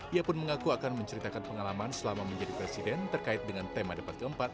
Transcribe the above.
ia pun mengaku akan menceritakan pengalaman selama menjadi presiden terkait dengan tema debat keempat